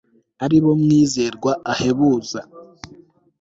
ari bo mwizerwa ahebuza